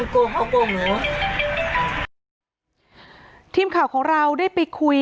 อ๋อเจ้าสีสุข่าวของสิ้นพอได้ด้วย